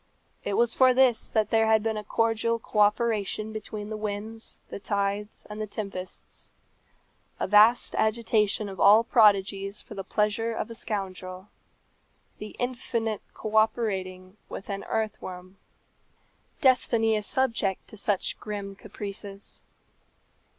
It was for this that there had been a cordial co operation between the winds, the tides, and the tempests a vast agitation of all prodigies for the pleasure of a scoundrel; the infinite co operating with an earthworm! Destiny is subject to such grim caprices.